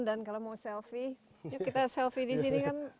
dan kalau mau selfie yuk kita selfie di sini kan